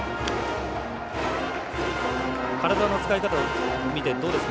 体の使い方を見てどうですか？